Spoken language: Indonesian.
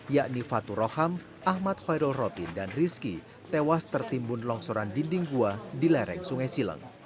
yakni fatu roham ahmad khairul rotin dan rizky tewas tertimbun longsoran dinding gua di lereng sungai sileng